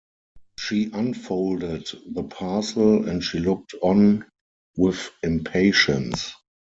She unfolded the parcel, and she looked on with impatience.